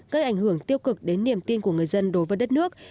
gây ảnh hưởng tiêu cực đến niềm tin của người dân đối với đất nước